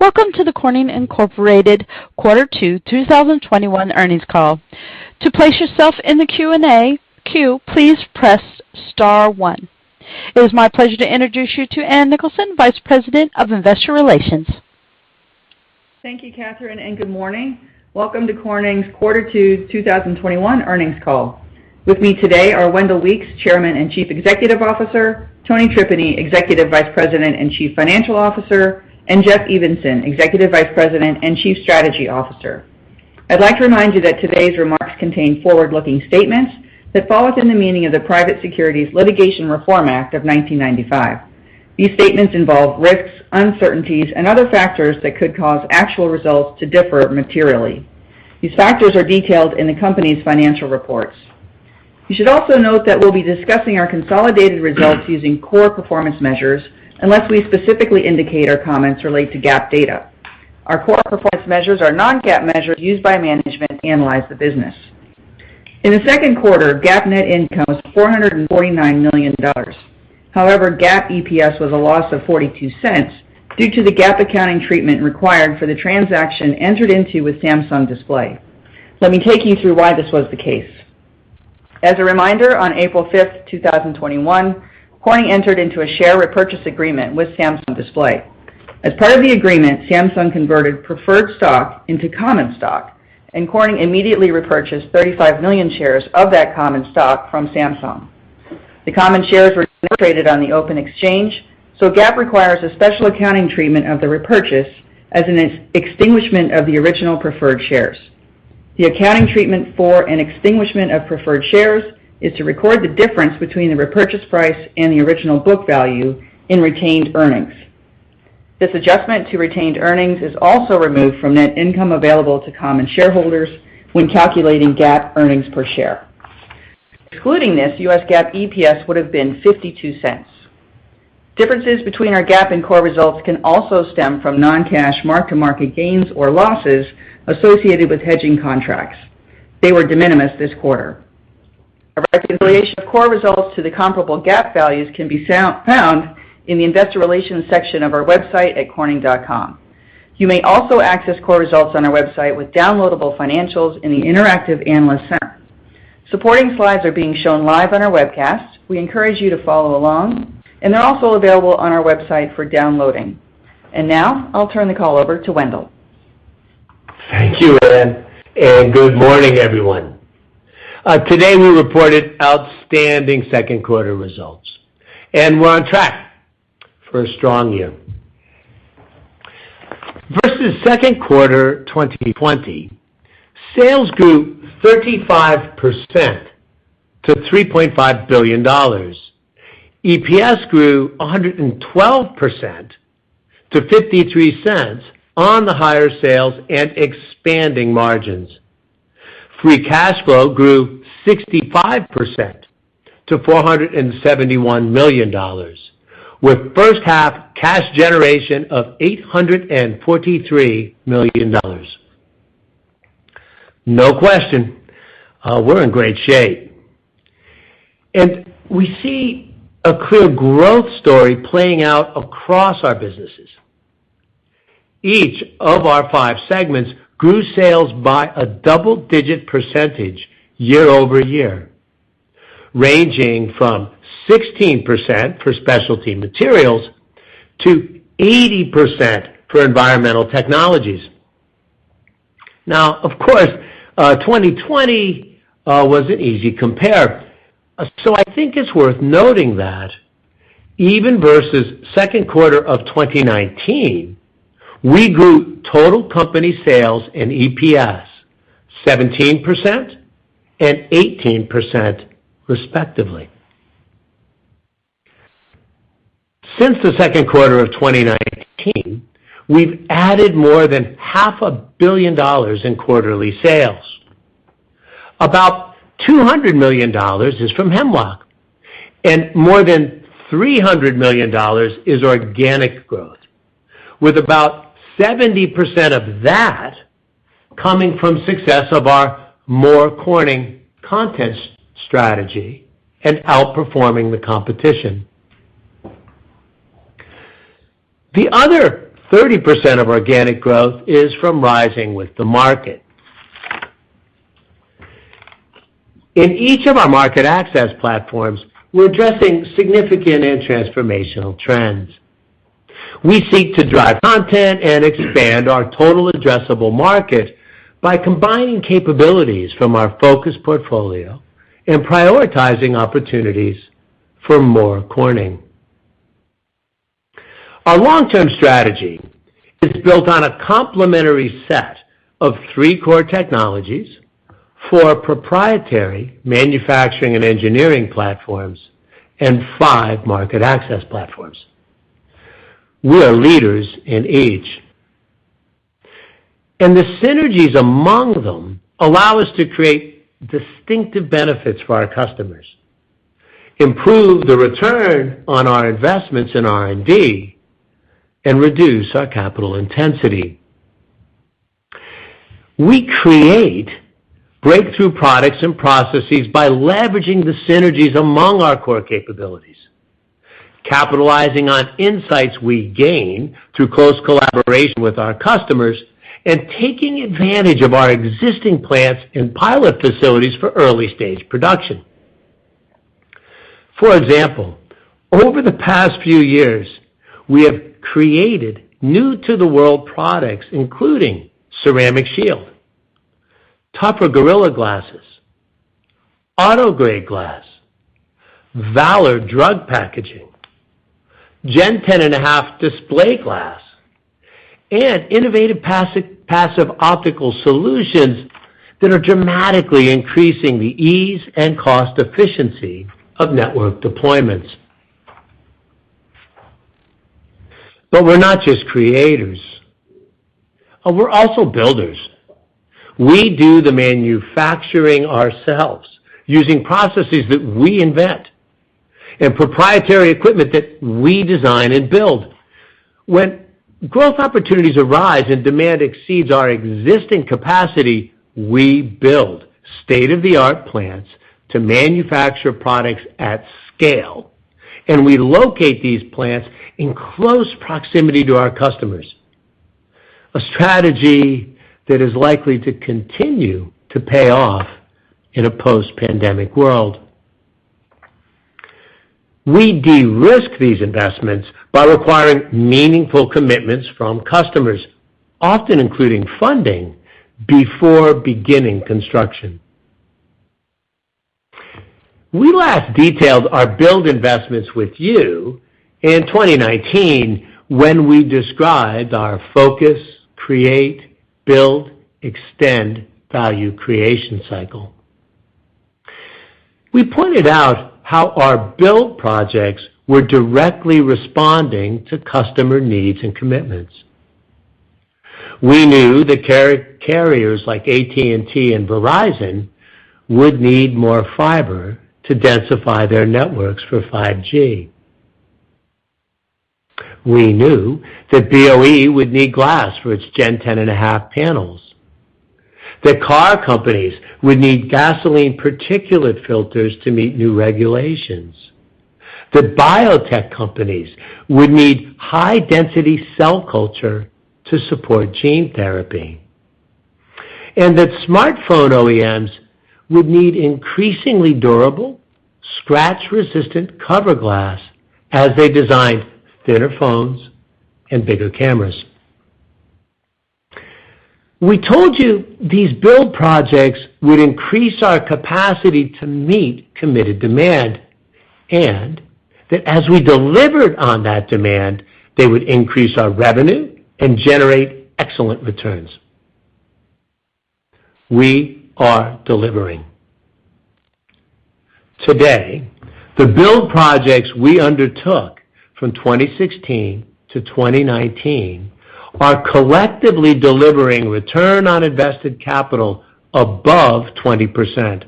Welcome to the Corning Incorporated Quarter Two 2021 Earnings Call. To place yourself in the Q&A queue, please press star one. It is my pleasure to introduce you to Ann Nicholson, Vice President of Investor Relations. Thank you, Catherine. Good morning. Welcome to Corning's Quarter Two 2021 Earnings Call. With me today are Wendell Weeks, Chairman and Chief Executive Officer, Tony Tripeny, Executive Vice President and Chief Financial Officer, and Jeff Evenson, Executive Vice President and Chief Strategy Officer. I'd like to remind you that today's remarks contain forward-looking statements that fall within the meaning of the Private Securities Litigation Reform Act of 1995. These statements involve risks, uncertainties, and other factors that could cause actual results to differ materially. These factors are detailed in the company's financial reports. You should also note that we'll be discussing our consolidated results using core performance measures, unless we specifically indicate our comments relate to GAAP data. Our core performance measures are non-GAAP measures used by management to analyze the business. In the second quarter, GAAP net income was $449 million. However, GAAP EPS was a loss of $0.42 due to the GAAP accounting treatment required for the transaction entered into with Samsung Display. Let me take you through why this was the case. As a reminder, on April 5th, 2021, Corning entered into a share repurchase agreement with Samsung Display. As part of the agreement, Samsung converted preferred stock into common stock, and Corning immediately repurchased 35 million shares of that common stock from Samsung. The common shares were traded on the open exchange, GAAP requires a special accounting treatment of the repurchase as an extinguishment of the original preferred shares. The accounting treatment for an extinguishment of preferred shares is to record the difference between the repurchase price and the original book value in retained earnings. This adjustment to retained earnings is also removed from net income available to common shareholders when calculating GAAP earnings per share. Excluding this, US GAAP EPS would have been $0.52. Differences between our GAAP and core results can also stem from non-cash mark-to-market gains or losses associated with hedging contracts. They were de minimis this quarter. A reconciliation of core results to the comparable GAAP values can be found in the investor relations section of our website at corning.com. You may also access core results on our website with downloadable financials in the Interactive Analyst Center. Supporting slides are being shown live on our webcast. We encourage you to follow along, they're also available on our website for downloading. Now I'll turn the call over to Wendell. Thank you, Ann, good morning, everyone. Today we reported outstanding second quarter results, and we're on track for a strong year. Versus second quarter 2020, sales grew 35% to $3.5 billion. EPS grew 112% to $0.53 on the higher sales and expanding margins. Free cash flow grew 65% to $471 million, with first-half cash generation of $843 million. No question, we're in great shape. We see a clear growth story playing out across our businesses. Each of our five segments grew sales by a double-digit percentage year-over-year, ranging from 16% for Specialty Materials to 80% for Environmental Technologies. Of course, 2020 was an easy compare, so I think it's worth noting that even versus second quarter of 2019, we grew total company sales and EPS 17% and 18%, respectively. Since the second quarter of 2019, we've added more than half a billion dollars in quarterly sales. About $200 million is from Hemlock, and more than $300 million is organic growth, with about 70% of that coming from success of our More Corning content strategy and outperforming the competition. The other 30% of organic growth is from rising with the market. In each of our market access platforms, we're addressing significant and transformational trends. We seek to drive content and expand our total addressable market by combining capabilities from our focused portfolio and prioritizing opportunities for More Corning. Our long-term strategy is built on a complementary set of three core technologies, four proprietary manufacturing and engineering platforms, and five market access platforms. We are leaders in each. The synergies among them allow us to create distinctive benefits for our customers, improve the return on our investments in R&D, and reduce our capital intensity. We create breakthrough products and processes by leveraging the synergies among our core capabilities, capitalizing on insights we gain through close collaboration with our customers, and taking advantage of our existing plants and pilot facilities for early-stage production. For example, over the past few years, we have created new-to-the-world products, including Ceramic Shield, tougher Gorilla glasses, AutoGrade Glass, Valor drug packaging, Gen 10.5 display glass, and innovative passive optical solutions that are dramatically increasing the ease and cost efficiency of network deployments. We're not just creators. We're also builders. We do the manufacturing ourselves, using processes that we invent and proprietary equipment that we design and build. When growth opportunities arise and demand exceeds our existing capacity, we build state-of-the-art plants to manufacture products at scale, and we locate these plants in close proximity to our customers, a strategy that is likely to continue to pay off in a post-pandemic world. We de-risk these investments by requiring meaningful commitments from customers, often including funding before beginning construction. We last detailed our build investments with you in 2019 when we described our focus, create, build, extend value creation cycle. We pointed out how our build projects were directly responding to customer needs and commitments. We knew that carriers like AT&T and Verizon would need more fiber to densify their networks for 5G. We knew that BOE would need glass for its Gen 10.5 panels, that car companies would need gasoline particulate filters to meet new regulations, that biotech companies would need high-density cell culture to support gene therapy, and that smartphone OEMs would need increasingly durable, scratch-resistant cover glass as they designed thinner phones and bigger cameras. We told you these build projects would increase our capacity to meet committed demand, and that as we delivered on that demand, they would increase our revenue and generate excellent returns. We are delivering. Today, the build projects we undertook from 2016-2019 are collectively delivering return on invested capital above 20%.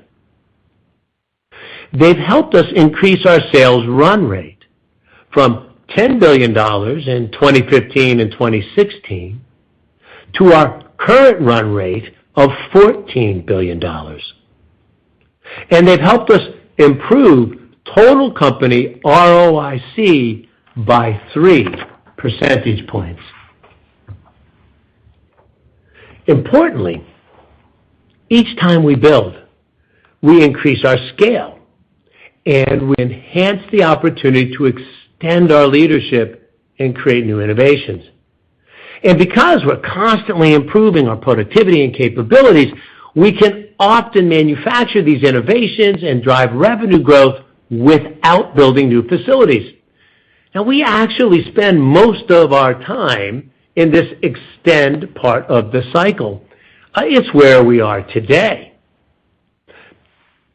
They've helped us increase our sales run rate from $10 billion in 2015 and 2016 to our current run rate of $14 billion. They've helped us improve total company ROIC by 3 percentage points. Importantly, each time we build, we increase our scale, and we enhance the opportunity to extend our leadership and create new innovations. Because we're constantly improving our productivity and capabilities, we can often manufacture these innovations and drive revenue growth without building new facilities. Now, we actually spend most of our time in this extend part of the cycle. It's where we are today.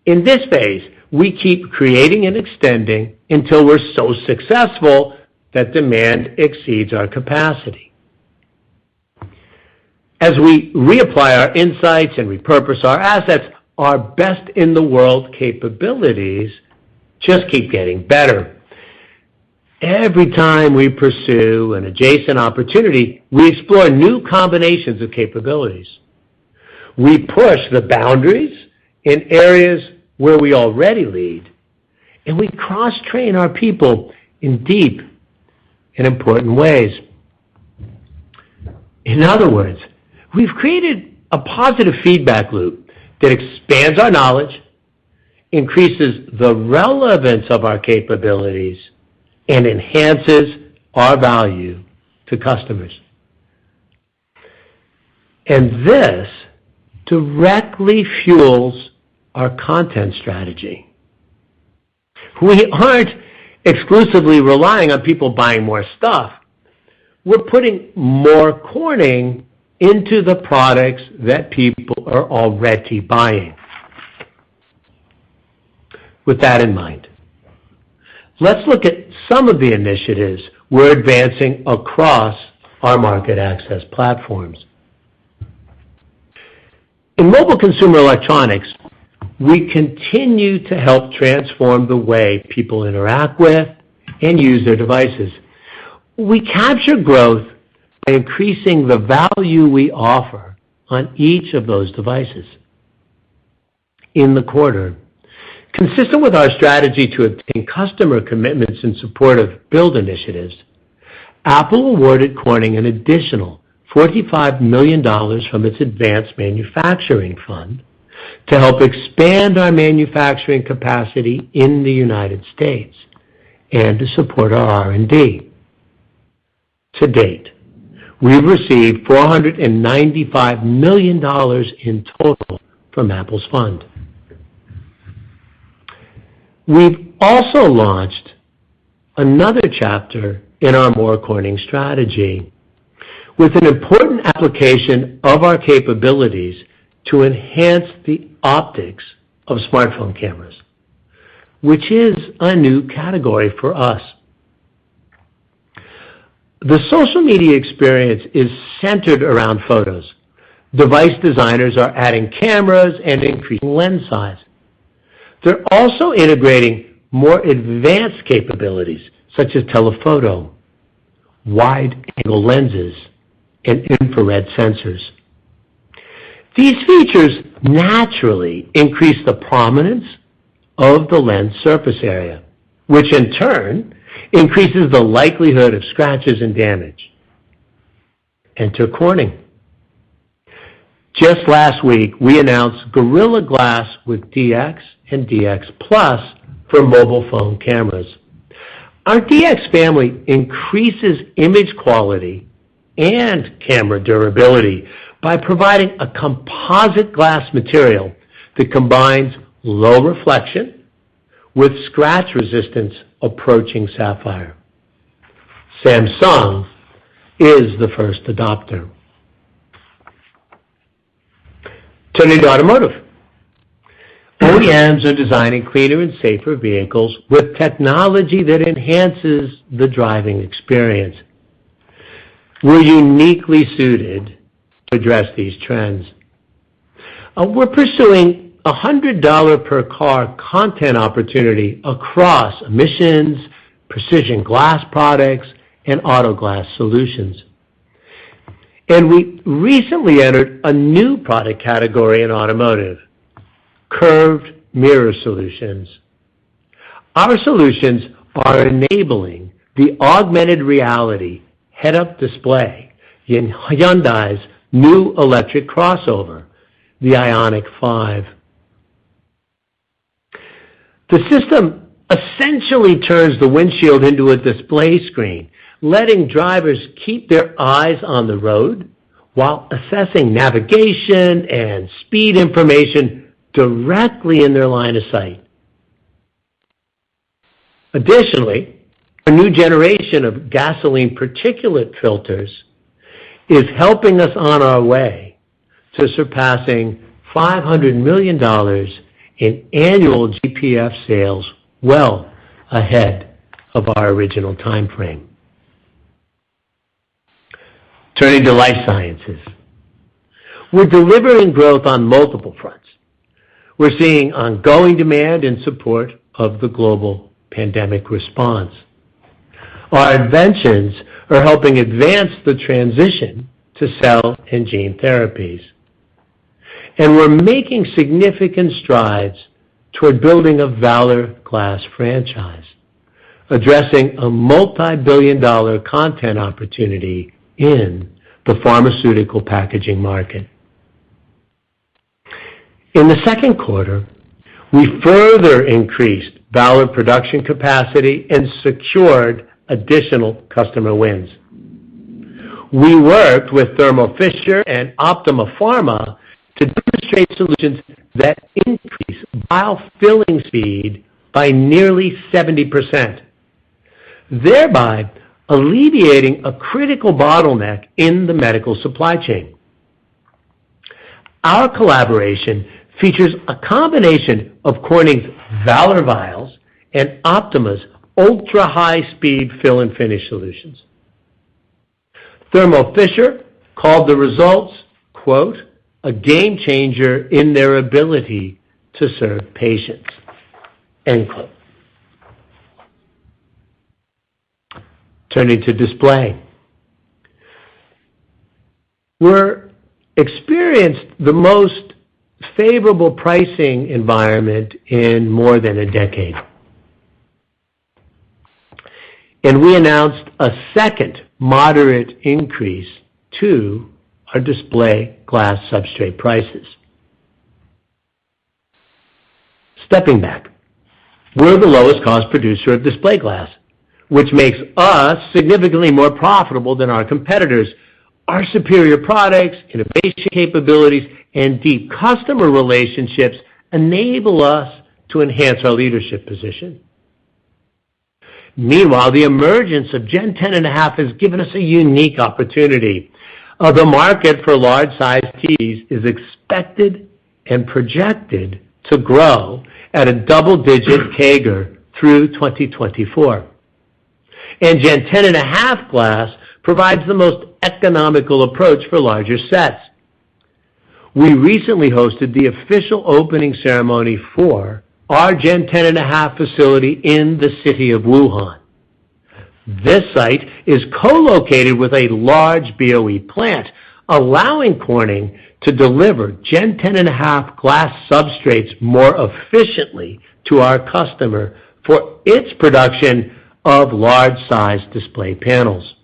In this phase, we keep creating and extending until we're so successful that demand exceeds our capacity. As we reapply our insights and repurpose our assets, our best-in-the-world capabilities just keep getting better. Every time we pursue an adjacent opportunity, we explore new combinations of capabilities. We push the boundaries in areas where we already lead, and we cross-train our people in deep and important ways. In other words, we've created a positive feedback loop that expands our knowledge, increases the relevance of our capabilities, and enhances our value to customers. This directly fuels our content strategy. We aren't exclusively relying on people buying more stuff. We're putting More Corning into the products that people are already buying. With that in mind, let's look at some of the initiatives we're advancing across our market access platforms. In Mobile Consumer Electronics, we continue to help transform the way people interact with and use their devices. We capture growth by increasing the value we offer on each of those devices. In the quarter, consistent with our strategy to obtain customer commitments in support of build initiatives, Apple awarded Corning an additional $45 million from its advanced manufacturing fund to help expand our manufacturing capacity in the U.S. and to support our R&D. To date, we've received $495 million in total from Apple's fund. We've also launched another chapter in our More Corning strategy, with an important application of our capabilities to enhance the optics of smartphone cameras, which is a new category for us. The social media experience is centered around photos. Device designers are adding cameras and increasing lens size. They're also integrating more advanced capabilities such as telephoto, wide-angle lenses, and infrared sensors. These features naturally increase the prominence of the lens surface area, which in turn increases the likelihood of scratches and damage. Enter Corning. Just last week, we announced Gorilla Glass with DX and DX+ for mobile phone cameras. Our DX family increases image quality and camera durability by providing a composite glass material that combines low reflection with scratch resistance approaching sapphire. Samsung is the first adopter. Turning to automotive. OEMs are designing cleaner and safer vehicles with technology that enhances the driving experience. We're uniquely suited to address these trends. We're pursuing $100 per car content opportunity across emissions, precision glass products, and auto glass solutions. We recently entered a new product category in automotive, curved mirror solutions. Our solutions are enabling the augmented reality head-up display in Hyundai's new electric crossover, the IONIQ 5. The system essentially turns the windshield into a display screen, letting drivers keep their eyes on the road while assessing navigation and speed information directly in their line of sight. Additionally, a new generation of gasoline particulate filters is helping us on our way to surpassing $500 million in annual GPF sales well ahead of our original timeframe. Turning to Life Sciences. We're delivering growth on multiple fronts. We're seeing ongoing demand in support of the global pandemic response. Our inventions are helping advance the transition to cell and gene therapies. We're making significant strides toward building a Valor Glass franchise, addressing a multibillion-dollar content opportunity in the pharmaceutical packaging market. In the second quarter, we further increased Valor production capacity and secured additional customer wins. We worked with Thermo Fisher and Optima Pharma to demonstrate solutions that increase vial filling speed by nearly 70%, thereby alleviating a critical bottleneck in the medical supply chain. Our collaboration features a combination of Corning's Valor Glass vials and Optima's ultra-high-speed fill and finish solutions. Thermo Fisher called the results, quote, "A game changer in their ability to serve patients." End quote. Turning to Display. We experienced the most favorable pricing environment in more than a decade. We announced a second moderate increase to our Display glass substrate prices. Stepping back, we're the lowest-cost producer of display glass, which makes us significantly more profitable than our competitors. Our superior products, innovation capabilities, and deep customer relationships enable us to enhance our leadership position. Meanwhile, the emergence of Gen 10.5 has given us a unique opportunity. The market for large-sized TVs is expected and projected to grow at a double-digit CAGR through 2024. Gen 10.5 glass provides the most economical approach for larger sets. We recently hosted the official opening ceremony for our Gen 10.5 facility in the city of Wuhan. This site is co-located with a large BOE plant, allowing Corning to deliver Gen 10.5 glass substrates more efficiently to our customer for its production of large size display panels.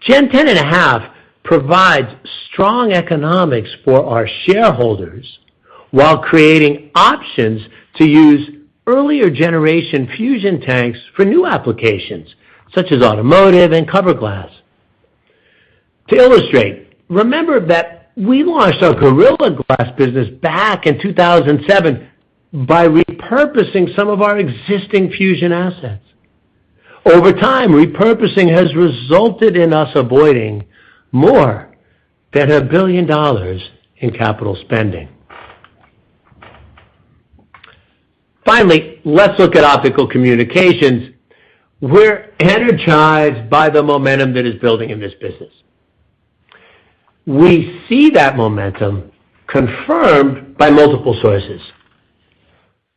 Gen 10.5 provides strong economics for our shareholders while creating options to use earlier generation fusion tanks for new applications, such as automotive and cover glass. To illustrate, remember that we launched our Gorilla Glass business back in 2007 by repurposing some of our existing fusion assets. Over time, repurposing has resulted in us avoiding more than $1 billion in capital spending. Finally, let's look at Optical Communications. We're energized by the momentum that is building in this business. We see that momentum confirmed by multiple sources.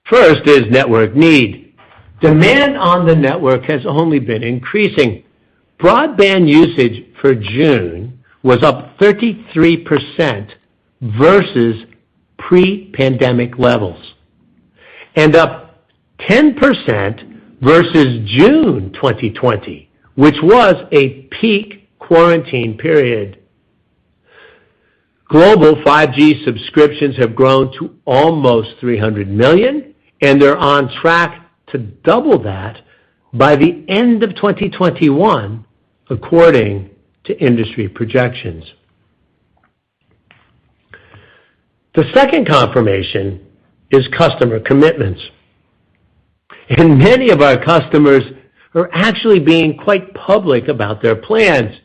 First is network need. Demand on the network has only been increasing. Broadband usage for June was up 33% versus pre-pandemic levels and up 10% versus June 2020, which was a peak quarantine period. Global 5G subscriptions have grown to almost 300 million, and they're on track to double that by the end of 2021, according to industry projections. The second confirmation is customer commitments, and many of our customers are actually being quite public about their plans.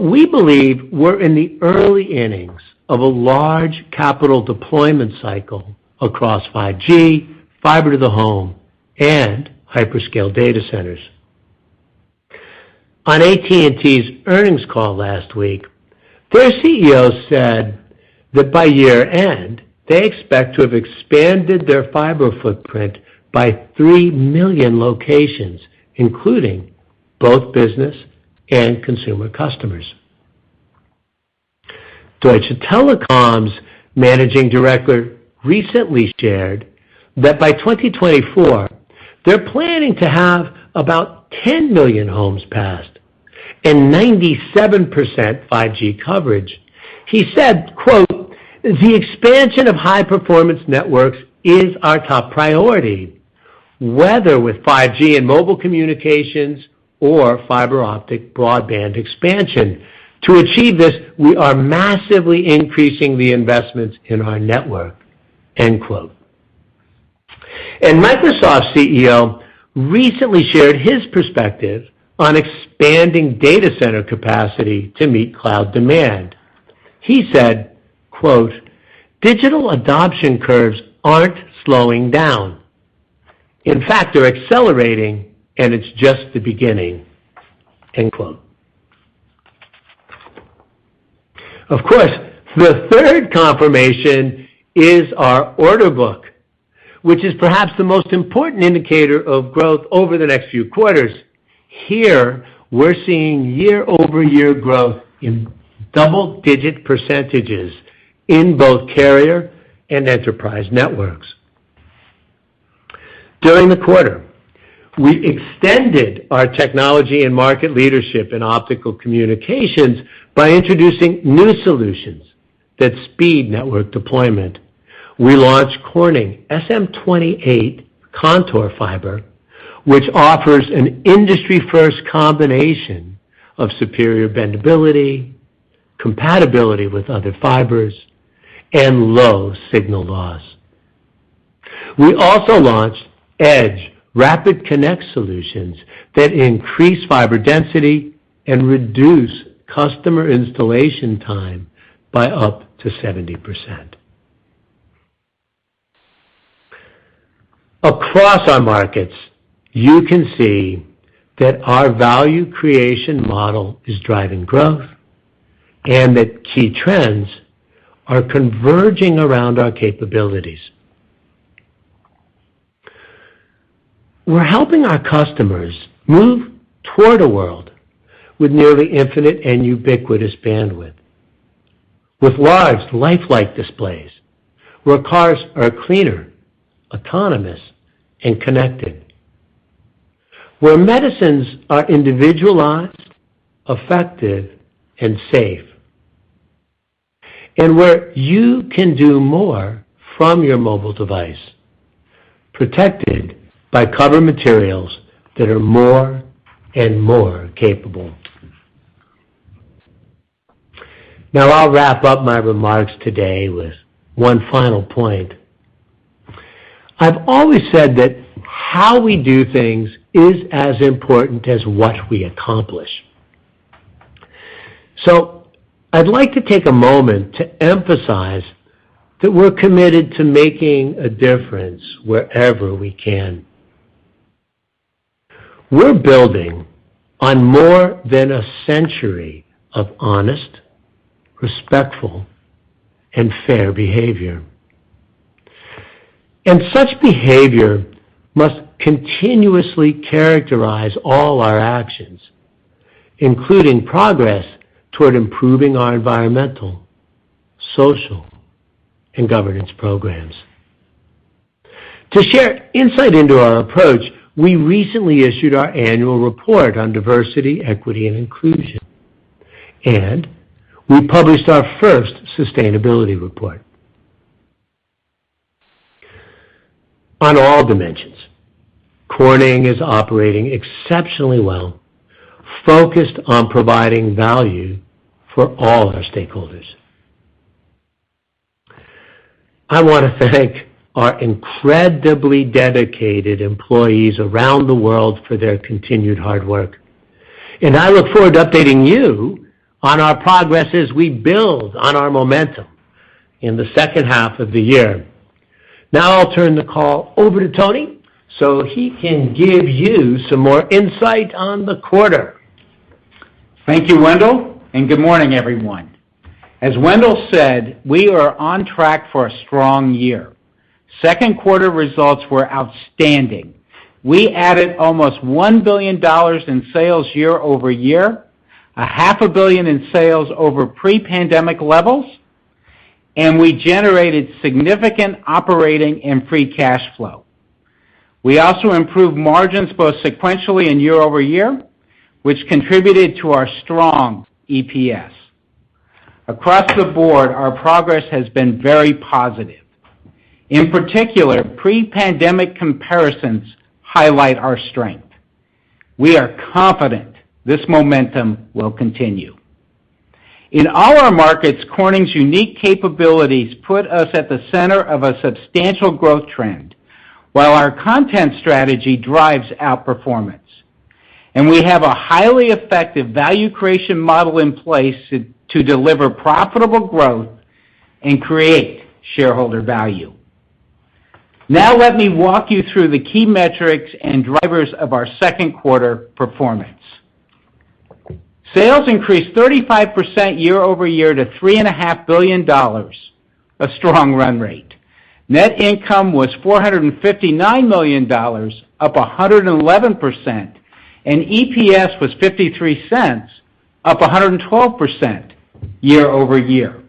We believe we're in the early innings of a large capital deployment cycle across 5G, fiber to the home, and hyperscale data centers. On AT&T's earnings call last week, their CEO said that by year-end, they expect to have expanded their fiber footprint by three million locations, including both business and consumer customers. Deutsche Telekom's Managing Director recently shared that by 2024, they're planning to have about 10 million homes passed and 97% 5G coverage. He said, quote, "The expansion of high-performance networks is our top priority, whether with 5G and mobile communications or fiber optic broadband expansion. To achieve this, we are massively increasing the investments in our network." End quote. Microsoft's CEO recently shared his perspective on expanding data center capacity to meet cloud demand. He said, quote, "Digital adoption curves aren't slowing down. In fact, they're accelerating, and it's just the beginning." End quote. Of course, the third confirmation is our order book, which is perhaps the most important indicator of growth over the next few quarters. Here, we're seeing year-over-year growth in double-digit percentages in both carrier and enterprise networks. During the quarter, we extended our technology and market leadership in Optical Communications by introducing new solutions that speed network deployment. We launched Corning SMF-28 Contour Fiber, which offers an industry-first combination of superior bendability, compatibility with other fibers, and low signal loss. We also launched EDGE Rapid Connect solutions that increase fiber density and reduce customer installation time by up to 70%. Across our markets, you can see that our value creation model is driving growth and that key trends are converging around our capabilities. We're helping our customers move toward a world with nearly infinite and ubiquitous bandwidth, with large lifelike displays, where cars are cleaner, autonomous, and connected, where medicines are individualized, effective, and safe, and where you can do more from your mobile device, protected by cover materials that are more and more capable. I'll wrap up my remarks today with one final point. I've always said that how we do things is as important as what we accomplish. I'd like to take a moment to emphasize that we're committed to making a difference wherever we can. We're building on more than a century of honest, respectful, and fair behavior. Such behavior must continuously characterize all our actions, including progress toward improving our environmental, social, and governance programs. To share insight into our approach, we recently issued our annual report on diversity, equity, and inclusion, and we published our first sustainability report. On all dimensions, Corning is operating exceptionally well, focused on providing value for all our stakeholders. I want to thank our incredibly dedicated employees around the world for their continued hard work, and I look forward to updating you on our progress as we build on our momentum in the second half of the year. Now I'll turn the call over to Tony so he can give you some more insight on the quarter. Thank you, Wendell. Good morning, everyone. As Wendell said, we are on track for a strong year. Second quarter results were outstanding. We added almost $1 billion in sales year-over-year, a $500 million in sales over pre-pandemic levels, and we generated significant operating and free cash flow. We also improved margins both sequentially and year-over-year, which contributed to our strong EPS. Across the board, our progress has been very positive. In particular, pre-pandemic comparisons highlight our strength. We are confident this momentum will continue. In all our markets, Corning's unique capabilities put us at the center of a substantial growth trend, while our content strategy drives outperformance. We have a highly effective value creation model in place to deliver profitable growth and create shareholder value. Now let me walk you through the key metrics and drivers of our second quarter performance. Sales increased 35% year-over-year to $3.5 billion, a strong run rate. Net income was $459 million, up 111%, and EPS was $0.53, up 112% year-over-year.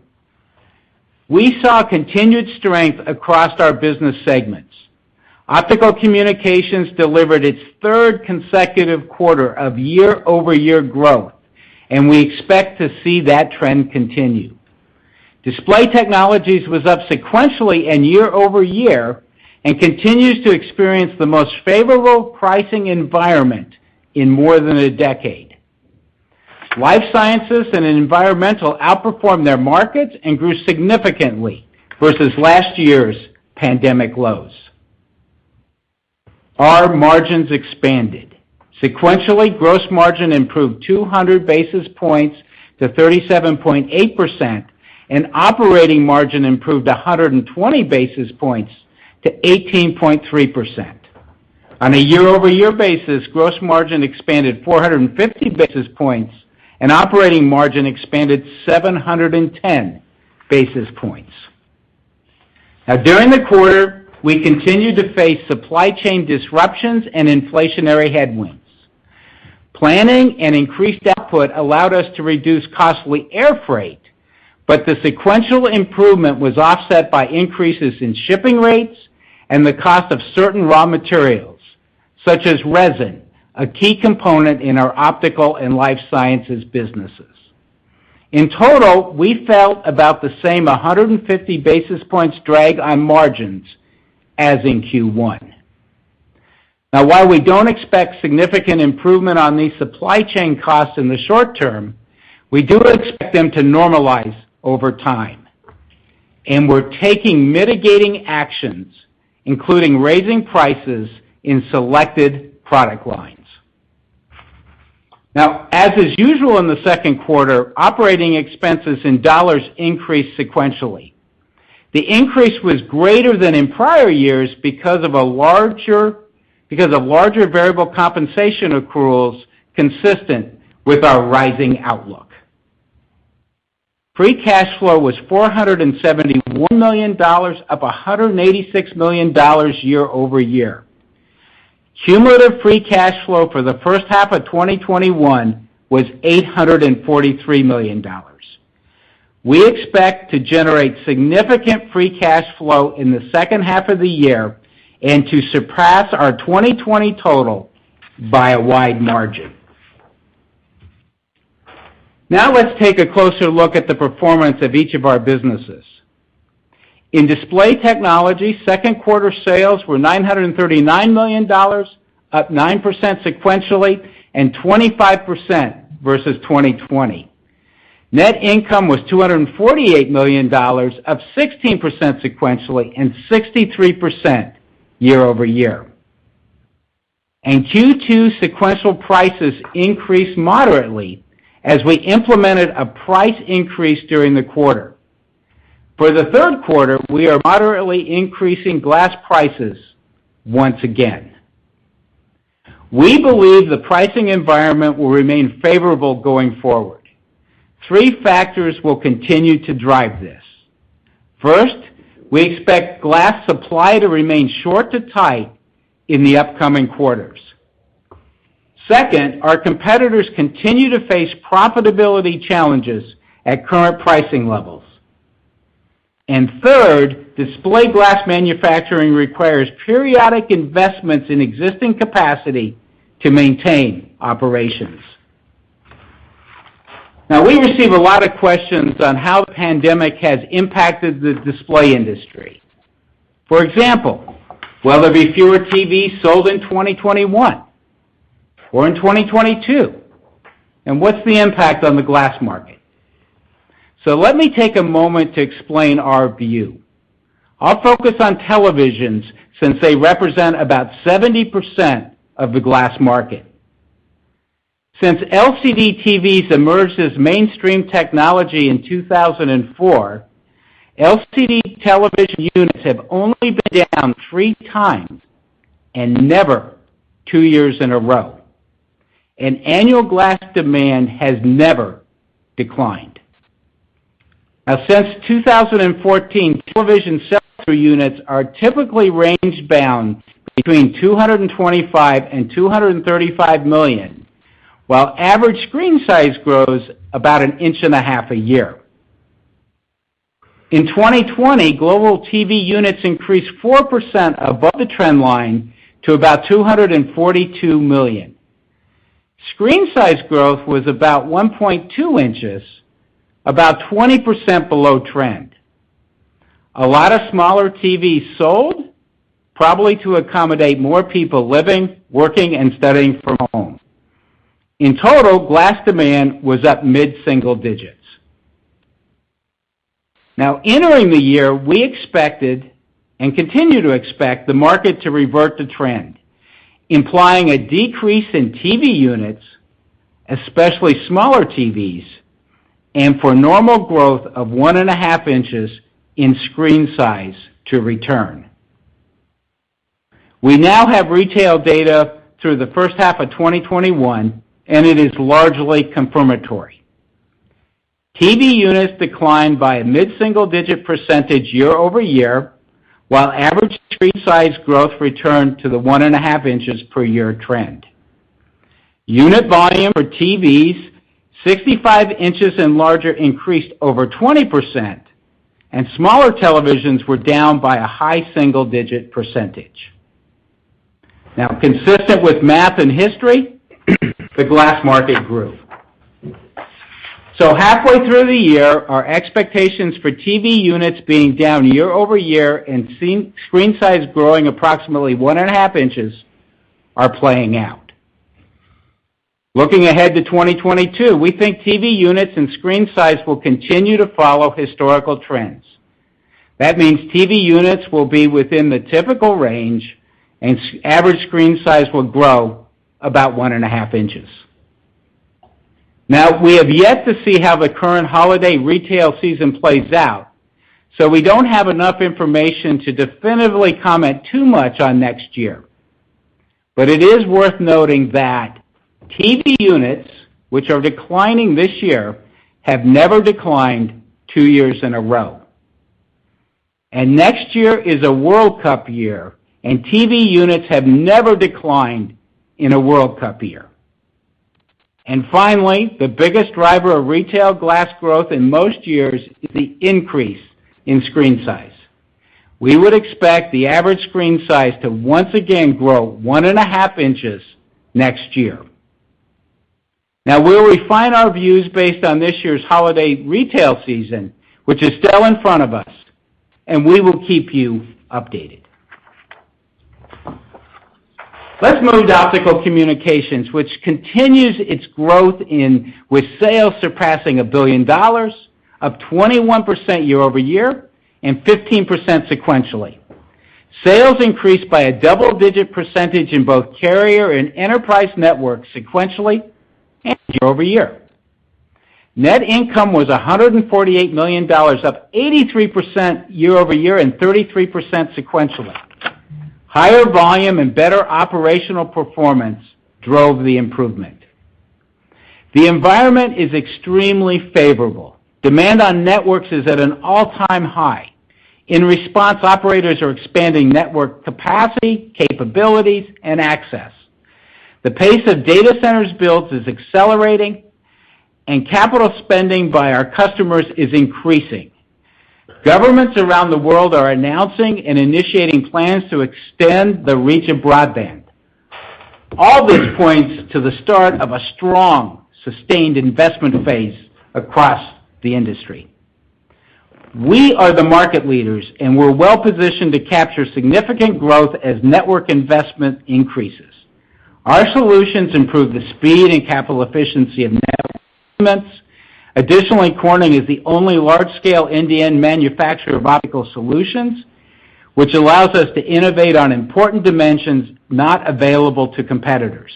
We saw continued strength across our business segments. Optical Communications delivered its third consecutive quarter of year-over-year growth, and we expect to see that trend continue. Display Technologies was up sequentially and year-over-year and continues to experience the most favorable pricing environment in more than a decade. Life Sciences and Environmental outperformed their markets and grew significantly versus last year's pandemic lows. Our margins expanded. Sequentially, gross margin improved 200 basis points to 37.8%, and operating margin improved 120 basis points to 18.3%. On a year-over-year basis, gross margin expanded 450 basis points, and operating margin expanded 710 basis points. During the quarter, we continued to face supply chain disruptions and inflationary headwinds. Planning and increased output allowed us to reduce costly air freight, but the sequential improvement was offset by increases in shipping rates and the cost of certain raw materials, such as resin, a key component in our optical and life sciences businesses. In total, we felt about the same 150 basis points drag on margins as in Q1. While we don't expect significant improvement on these supply chain costs in the short term, we do expect them to normalize over time, and we're taking mitigating actions, including raising prices in selected product lines. As is usual in the second quarter, operating expenses in dollars increased sequentially. The increase was greater than in prior years because of larger variable compensation accruals consistent with our rising outlook. Free cash flow was $471 million, up $186 million year-over-year. Cumulative free cash flow for the first half of 2021 was $843 million. We expect to generate significant free cash flow in the second half of the year and to surpass our 2020 total by a wide margin. Let's take a closer look at the performance of each of our businesses. In Display Technologies, second quarter sales were $939 million, up 9% sequentially and 25% versus 2020. Net income was $248 million, up 16% sequentially and 63% year-over-year. Q2 sequential prices increased moderately as we implemented a price increase during the quarter. For the third quarter, we are moderately increasing glass prices once again. We believe the pricing environment will remain favorable going forward. Three factors will continue to drive this. First, we expect glass supply to remain short to tight in the upcoming quarters. Second, our competitors continue to face profitability challenges at current pricing levels. Third, display glass manufacturing requires periodic investments in existing capacity to maintain operations. We receive a lot of questions on how the pandemic has impacted the display industry. For example, will there be fewer TVs sold in 2021 or in 2022? What's the impact on the glass market? Let me take a moment to explain our view. I'll focus on televisions since they represent about 70% of the glass market. Since LCD TVs emerged as mainstream technology in 2004, LCD television units have only been down three times and never two years in a row. Annual glass demand has never declined. Since 2014, television sets or units are typically range-bound between 225 and 235 million, while average screen size grows about an inch and a half a year. In 2020, global TV units increased 4% above the trend line to about 242 million. Screen size growth was about 1.2 inches, about 20% below trend. A lot of smaller TVs sold, probably to accommodate more people living, working, and studying from home. In total, glass demand was up mid-single digits. Entering the year, we expected and continue to expect the market to revert to trend, implying a decrease in TV units, especially smaller TVs, and for normal growth of 1.5 in, in screen size to return. We now have retail data through the first half of 2021. It is largely confirmatory. TV units declined by a mid-single digit percentage year-over-year, while average screen size growth returned to the 1.5 in per year trend. Unit volume for TVs 65 in and larger increased over 20%. Smaller televisions were down by a high single-digit percentage. Consistent with math and history, the glass market grew. Halfway through the year, our expectations for TV units being down year-over-year and screen size growing approximately 1.5 in are playing out. Looking ahead to 2022, we think TV units and screen size will continue to follow historical trends. That means TV units will be within the typical range, and average screen size will grow about 1.5 in. Now, we have yet to see how the current holiday retail season plays out, so we don't have enough information to definitively comment too much on next year. It is worth noting that TV units, which are declining this year, have never declined two years in a row. Next year is a World Cup year, and TV units have never declined in a World Cup year. Finally, the biggest driver of retail glass growth in most years is the increase in screen size. We would expect the average screen size to once again grow 1.5 in next year. We'll refine our views based on this year's holiday retail season, which is still in front of us, and we will keep you updated. Let's move to Optical Communications, which continues its growth with sales surpassing $1 billion, up 21% year-over-year and 15% sequentially. Sales increased by a double-digit percentage in both carrier and enterprise networks sequentially and year-over-year. Net income was $148 million, up 83% year-over-year and 33% sequentially. Higher volume and better operational performance drove the improvement. The environment is extremely favorable. Demand on networks is at an all-time high. In response, operators are expanding network capacity, capabilities, and access. The pace of data center builds is accelerating, and capital spending by our customers is increasing. Governments around the world are announcing and initiating plans to extend the reach of broadband. All this points to the start of a strong, sustained investment phase across the industry. We are the market leaders, and we're well positioned to capture significant growth as network investment increases. Our solutions improve the speed and capital efficiency of network. Additionally, Corning is the only large-scale integrated manufacturer of optical solutions, which allows us to innovate on important dimensions not available to competitors.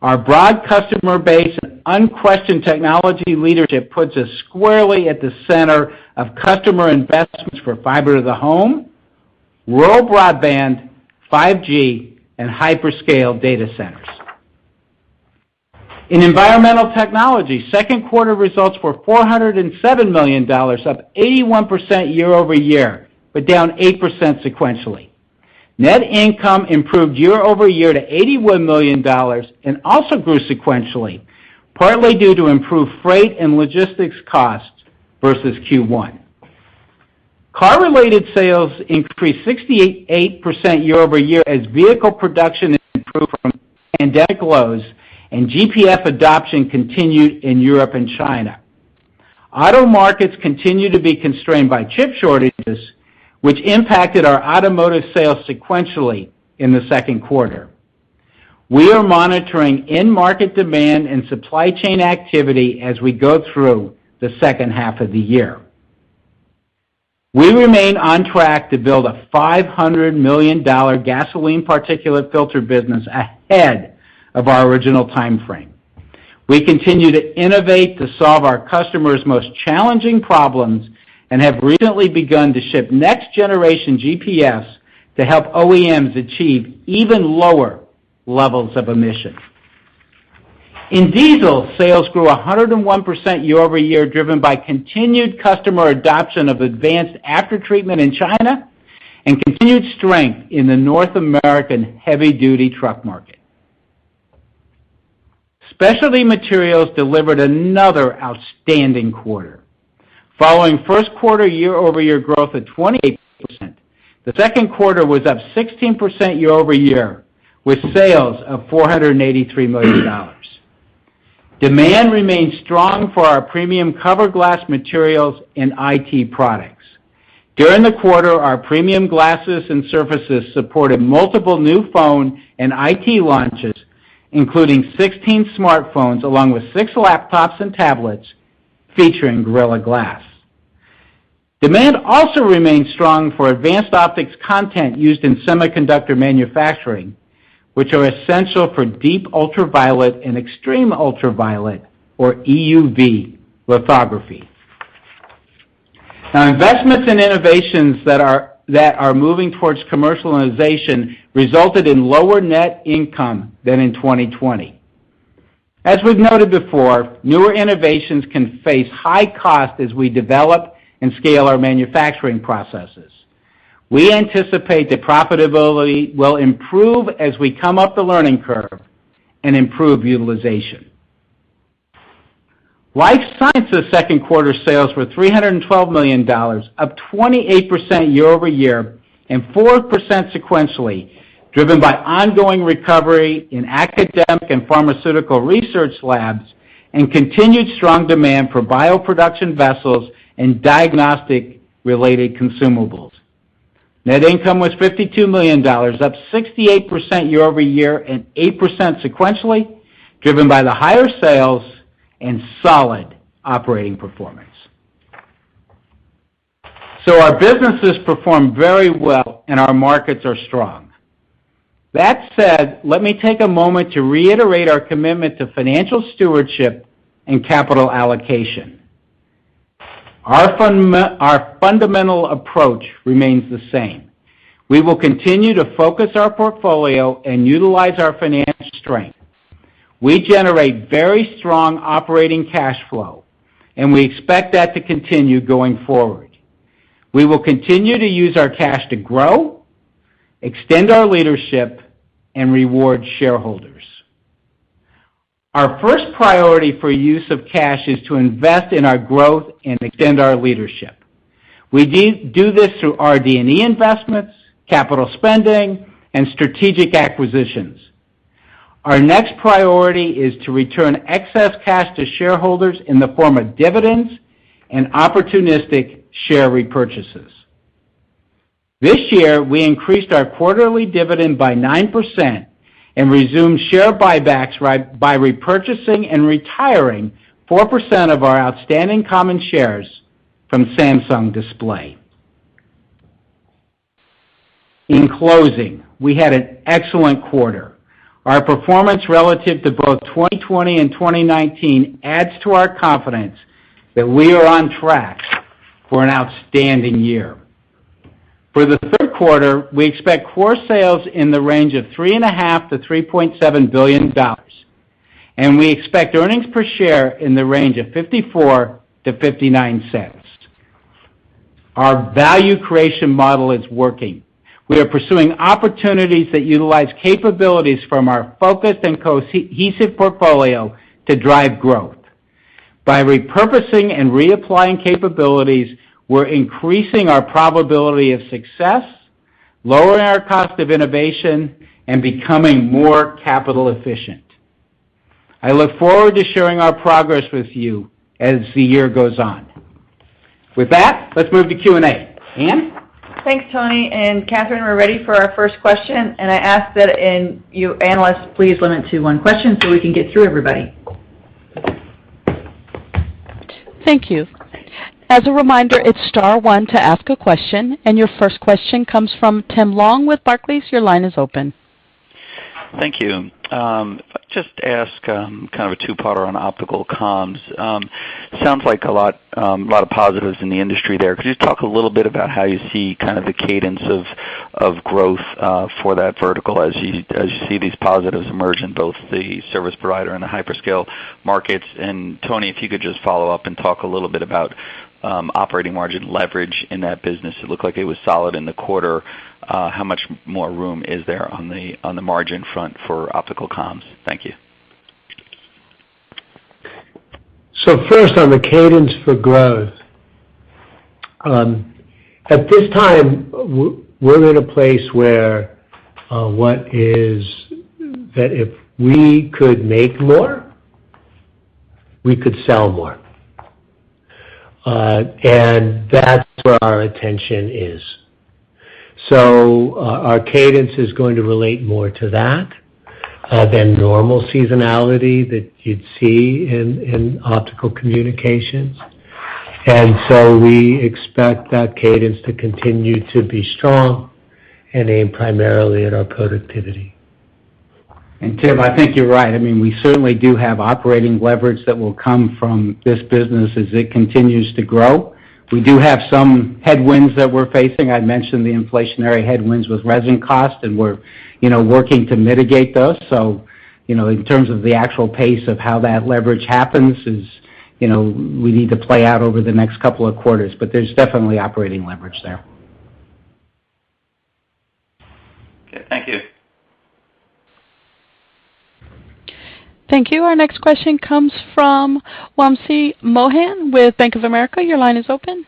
Our broad customer base and unquestioned technology leadership puts us squarely at the center of customer investments for fiber to the home, rural broadband, 5G, and hyperscale data centers. In Environmental Technologies, second quarter results were $407 million, up 81% year-over-year, but down 8% sequentially. Net income improved year-over-year to $81 million, and also grew sequentially, partly due to improved freight and logistics costs versus Q1. Car-related sales increased 68% year-over-year as vehicle production has improved from pandemic lows and GPF adoption continued in Europe and China. Auto markets continue to be constrained by chip shortages, which impacted our automotive sales sequentially in the second quarter. We are monitoring end market demand and supply chain activity as we go through the second half of the year. We remain on track to build a $500 million gasoline particulate filter business ahead of our original timeframe. We continue to innovate to solve our customers' most challenging problems and have recently begun to ship next generation GPFs to help OEMs achieve even lower levels of emission. In diesel, sales grew 101% year-over-year, driven by continued customer adoption of advanced aftertreatment in China and continued strength in the North American heavy-duty truck market. Specialty Materials delivered another outstanding quarter. Following first quarter year-over-year growth of 28%, the second quarter was up 16% year-over-year, with sales of $483 million. Demand remains strong for our premium cover glass materials and IT products. During the quarter, our premium glasses and surfaces supported multiple new phone and IT launches, including 16 smartphones, along with six laptops and tablets featuring Gorilla Glass. Demand also remains strong for advanced optics content used in semiconductor manufacturing, which are essential for deep ultraviolet and extreme ultraviolet, or EUV lithography. Investments in innovations that are moving towards commercialization resulted in lower net income than in 2020. As we've noted before, newer innovations can face high costs as we develop and scale our manufacturing processes. We anticipate that profitability will improve as we come up the learning curve and improve utilization. Life Sciences second quarter sales were $312 million, up 28% year-over-year and 4% sequentially, driven by ongoing recovery in academic and pharmaceutical research labs and continued strong demand for bioproduction vessels and diagnostic-related consumables. Net income was $52 million, up 68% year-over-year and 8% sequentially, driven by the higher sales and solid operating performance. Our businesses performed very well and our markets are strong. That said, let me take a moment to reiterate our commitment to financial stewardship and capital allocation. Our fundamental approach remains the same. We will continue to focus our portfolio and utilize our financial strength. We generate very strong operating cash flow, and we expect that to continue going forward. We will continue to use our cash to grow, extend our leadership, and reward shareholders. Our first priority for use of cash is to invest in our growth and extend our leadership. We do this through RD&E investments, capital spending, and strategic acquisitions. Our next priority is to return excess cash to shareholders in the form of dividends and opportunistic share repurchases. This year, we increased our quarterly dividend by 9% and resumed share buybacks by repurchasing and retiring 4% of our outstanding common shares from Samsung Display. In closing, we had an excellent quarter. Our performance relative to both 2020 and 2019 adds to our confidence that we are on track for an outstanding year. For the third quarter, we expect core sales in the range of $3.5 billion-$3.7 billion, and we expect earnings per share in the range of $0.54-$0.59. Our value creation model is working. We are pursuing opportunities that utilize capabilities from our focused and cohesive portfolio to drive growth. By repurposing and reapplying capabilities, we're increasing our probability of success, lowering our cost of innovation, and becoming more capital efficient. I look forward to sharing our progress with you as the year goes on. With that, let's move to Q&A. Ann? Thanks, Tony and Catherine, we're ready for our first question. I ask that you analysts please limit to one question so we can get through everybody. Thank you. As a reminder, it's star one to ask a question. Your first question comes from Tim Long with Barclays. Your line is open. Thank you. If I could just ask kind of a two-parter on Optical Communications. Sounds like a lot of positives in the industry there. Could you talk a little bit about how you see the cadence of growth for that vertical as you see these positives emerge in both the service provider and the hyperscale markets? Tony, if you could just follow up and talk a little bit about operating margin leverage in that business. It looked like it was solid in the quarter. How much more room is there on the margin front for Optical Communications? Thank you. First, on the cadence for growth. At this time, we're in a place where, what is that if we could make more, we could sell more. That's where our attention is. Our cadence is going to relate more to that than normal seasonality that you'd see in Optical Communications. We expect that cadence to continue to be strong and aimed primarily at our productivity. Tim, I think you're right. We certainly do have operating leverage that will come from this business as it continues to grow. We do have some headwinds that we're facing. I mentioned the inflationary headwinds with resin cost. We're working to mitigate those. In terms of the actual pace of how that leverage happens is, we need to play out over the next couple of quarters. There's definitely operating leverage there. Okay, thank you. Thank you. Our next question comes from Wamsi Mohan with Bank of America. Your line is open.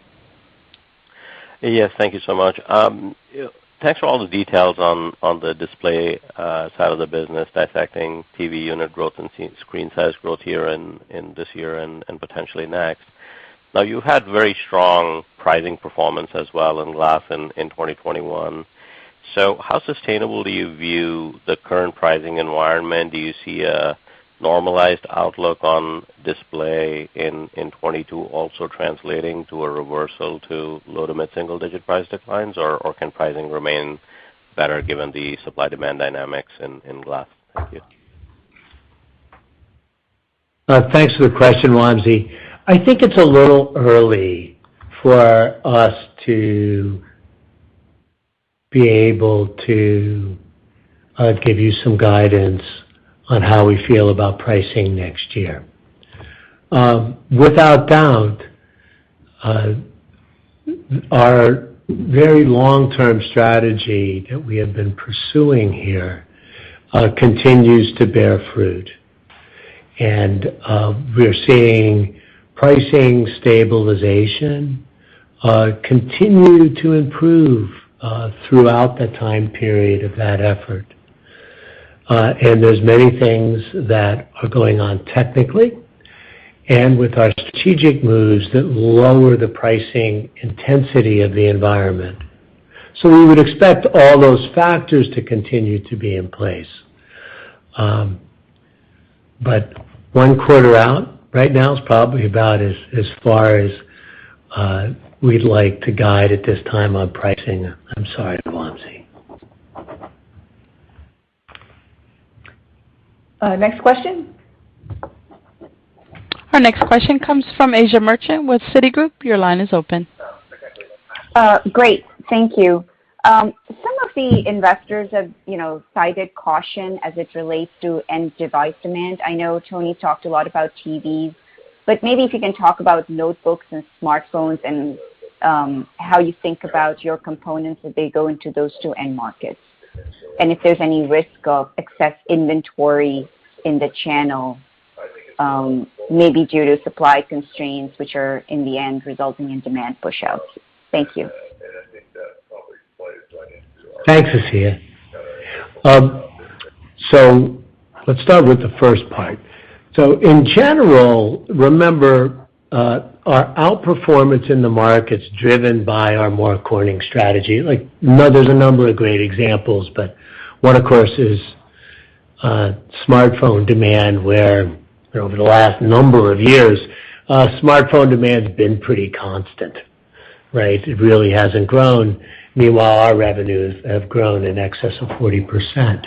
Yes, thank you so much. Thanks for all the details on the display side of the business, dissecting TV unit growth and screen size growth here in this year and potentially next. You had very strong pricing performance as well in glass in 2021. How sustainable do you view the current pricing environment? Do you see a normalized outlook on display in 2022 also translating to a reversal to low to mid-single-digit price declines, or can pricing remain better given the supply-demand dynamics in glass? Thank you. Thanks for the question, Wamsi. I think it's a little early for us to be able to give you some guidance on how we feel about pricing next year. Without doubt, our very long-term strategy that we have been pursuing here continues to bear fruit. We're seeing pricing stabilization continue to improve throughout the time period of that effort. There's many things that are going on technically and with our strategic moves that lower the pricing intensity of the environment. We would expect all those factors to continue to be in place. One quarter out right now is probably about as far as we'd like to guide at this time on pricing. I'm sorry, Wamsi. Next question. Our next question comes from Asiya Merchant with Citigroup. Your line is open. Great. Thank you. Some of the investors have cited caution as it relates to end device demand. I know Tony talked a lot about TVs, maybe if you can talk about notebooks and smartphones and how you think about your components as they go into those two end markets. If there's any risk of excess inventory in the channel, maybe due to supply constraints, which are, in the end, resulting in demand pushouts? Thank you. Thanks, Asiya. Let's start with the first part. In general, remember, our outperformance in the market's driven by our More Corning strategy. There's a number of great examples, but one, of course, is smartphone demand, where over the last number of years, smartphone demand's been pretty constant. It really hasn't grown. Meanwhile, our revenues have grown in excess of 40%.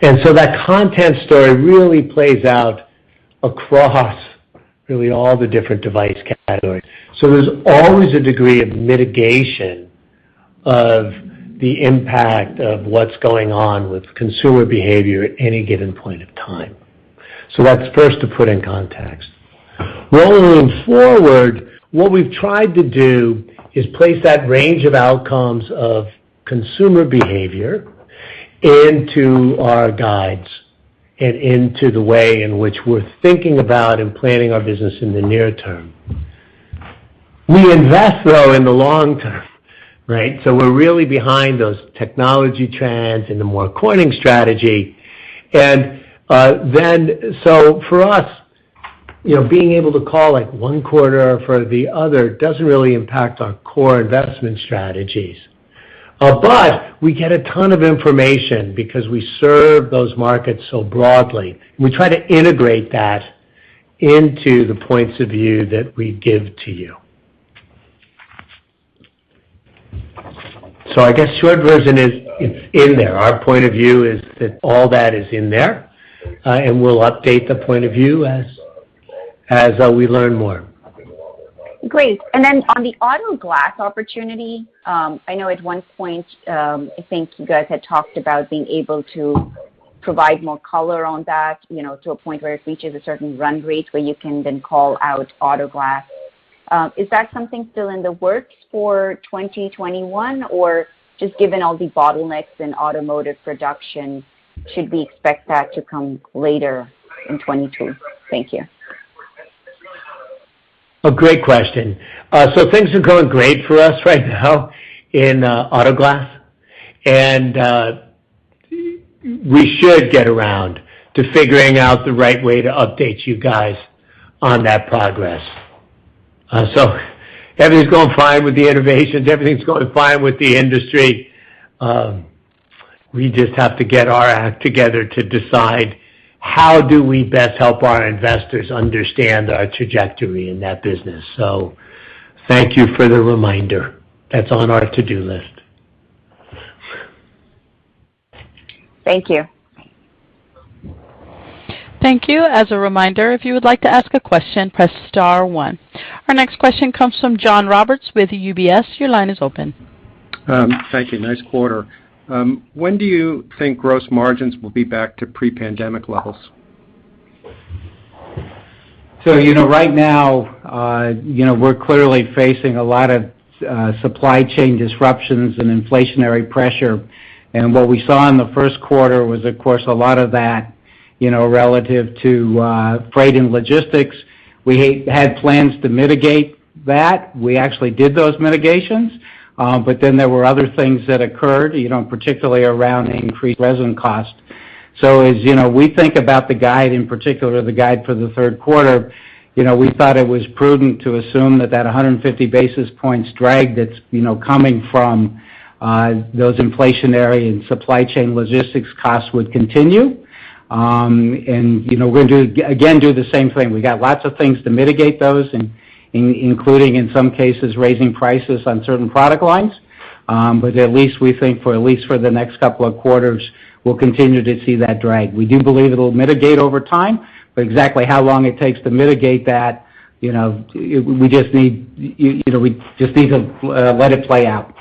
That content story really plays out across really all the different device categories. There's always a degree of mitigation of the impact of what's going on with consumer behavior at any given point of time. That's first to put in context. Rolling forward, what we've tried to do is place that range of outcomes of consumer behavior into our guides and into the way in which we're thinking about and planning our business in the near term. We invest, though, in the long term. We're really behind those technology trends and the More Corning strategy. For us, being able to call one quarter for the other doesn't really impact our core investment strategies. But we get a ton of information because we serve those markets so broadly. We try to integrate that into the points of view that we give to you. I guess short version is it's in there. Our point of view is that all that is in there, and we'll update the point of view as we learn more. Great. On the auto glass opportunity, I know at one point, I think you guys had talked about being able to provide more color on that, to a point where it reaches a certain run rate where you can then call out auto glass. Is that something still in the works for 2021? Just given all the bottlenecks in automotive production, should we expect that to come later in 2022? Thank you. A great question. Things are going great for us right now in auto glass. We should get around to figuring out the right way to update you guys on that progress. Everything's going fine with the innovations. Everything's going fine with the industry. We just have to get our act together to decide how do we best help our investors understand our trajectory in that business. Thank you for the reminder. That's on our to-do list. Thank you. Thank you. As a reminder, if you would like to ask a question, press star one. Our next question comes from John Roberts with UBS. Your line is open. Thank you. Nice quarter. When do you think gross margins will be back to pre-pandemic levels? Right now, we're clearly facing a lot of supply chain disruptions and inflationary pressure. What we saw in the first quarter was, of course, a lot of that, relative to freight and logistics. We had plans to mitigate that. We actually did those mitigations. Then there were other things that occurred, particularly around increased resin cost. As we think about the guide, in particular, the guide for the third quarter, we thought it was prudent to assume that that 150 basis points drag that's coming from those inflationary and supply chain logistics costs would continue. We'll, again, do the same thing. We got lots of things to mitigate those, including, in some cases, raising prices on certain product lines. At least we think for the next couple of quarters, we'll continue to see that drag. We do believe it'll mitigate over time, but exactly how long it takes to mitigate that, we just need to let it play out.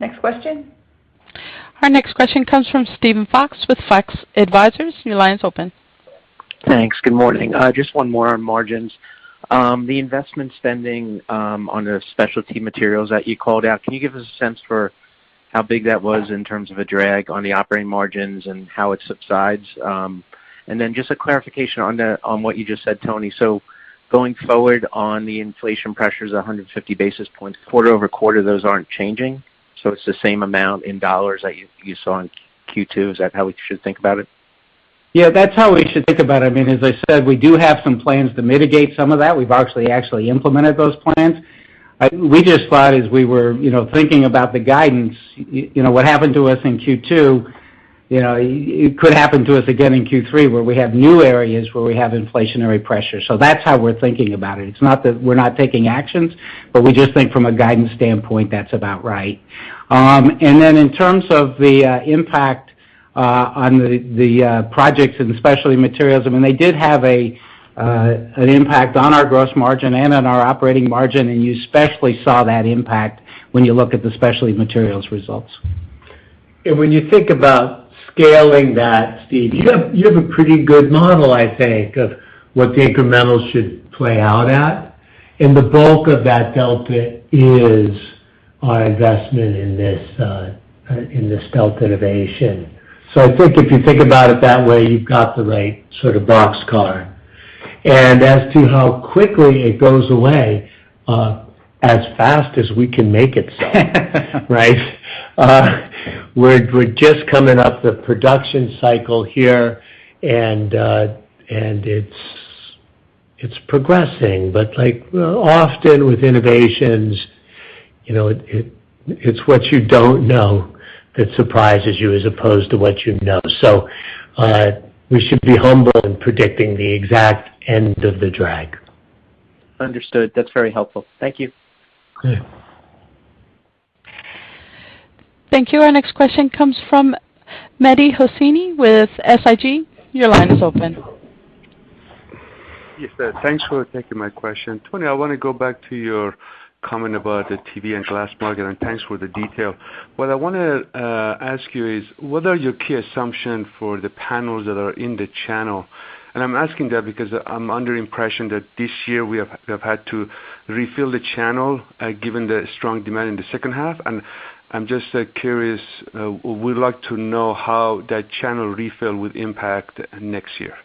Next question. Our next question comes from Steven Fox with Fox Advisors. Your line is open. Thanks. Good morning. Just one more on margins. The investment spending on the Specialty Materials that you called out, can you give us a sense for how big that was in terms of a drag on the operating margins and how it subsides? Just a clarification on what you just said, Tony. Going forward on the inflation pressures, 150 basis points quarter-over-quarter, those aren't changing. It's the same amount in dollars that you saw in Q2. Is that how we should think about it? Yeah, that's how we should think about it. As I said, we do have some plans to mitigate some of that. We've actually implemented those plans. We just thought as we were thinking about the guidance, what happened to us in Q2, it could happen to us again in Q3 where we have new areas where we have inflationary pressure. That's how we're thinking about it. It's not that we're not taking actions, but we just think from a guidance standpoint, that's about right. Then in terms of the impact on the projects and Specialty Materials, they did have an impact on our gross margin and on our operating margin, and you especially saw that impact when you look at the Specialty Materials results. When you think about scaling that, Steve, you have a pretty good model, I think, of what the incremental should play out at. The bulk of that delta is our investment in this delta innovation. I think if you think about it that way, you've got the right sort of boxcar. As to how quickly it goes away, as fast as we can make it so, right? We're just coming up the production cycle here, and it's progressing. Like often with innovations, it's what you don't know that surprises you as opposed to what you know. We should be humble in predicting the exact end of the drag. Understood. That's very helpful. Thank you. Okay. Thank you. Our next question comes from Mehdi Hosseini with SIG. Your line is open. Yes. Thanks for taking my question. Tony, I want to go back to your comment about the TV and glass market, and thanks for the detail. What I want to ask you is, what are your key assumption for the panels that are in the channel? I'm asking that because I'm under impression that this year we have had to refill the channel given the strong demand in the second half. I'm just curious, would like to know how that channel refill will impact next year?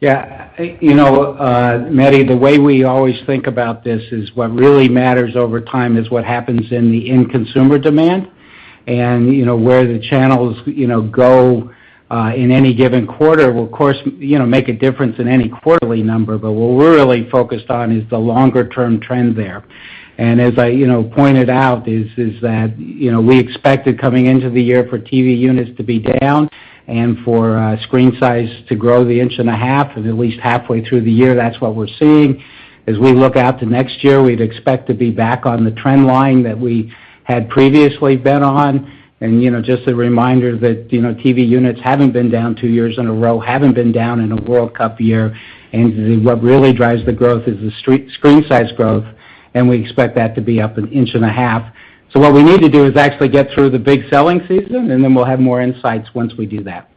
Yeah. Mehdi, the way we always think about this is what really matters over time is what happens in the end consumer demand. Where the channels go in any given quarter will, of course, make a difference in any quarterly number. What we're really focused on is the longer-term trend there. As I pointed out, is that we expected, coming into the year, for TV units to be down and for screen size to grow the inch and a half, and at least halfway through the year, that's what we're seeing. As we look out to next year, we'd expect to be back on the trend line that we had previously been on. Just a reminder that TV units haven't been down two years in a row, haven't been down in a World Cup year, and what really drives the growth is the screen size growth, and we expect that to be up an inch and a half. What we need to do is actually get through the big selling season, and then we'll have more insights once we do that.